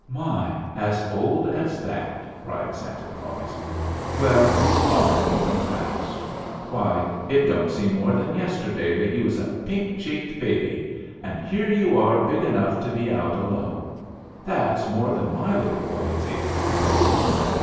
"My, as old as that?" cried Santa Claus. "Well, you are growing fast! Why, it don't seem more than yesterday that you was a pink cheeked babby, and here you are big enough to be out alone! That's more than my little boy is able to do."